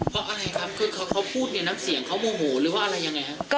เพราะอะไรครับคือเขาพูดเนี่ยน้ำเสียงเขาโมโหหรือว่าอะไรยังไงฮะ